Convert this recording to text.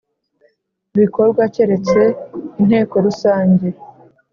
bikorwa keretse Inteko rusange